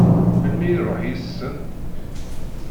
Melmi i iṛuḥ yid-sen?